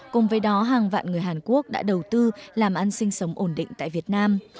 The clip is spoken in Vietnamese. cùng với đó hàng vạn người hàn quốc đã đầu tư làm ăn sinh sống ổn định tại việt nam